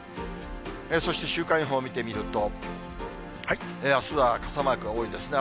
そして週間予報見てみると、あすは傘マークが多いですね。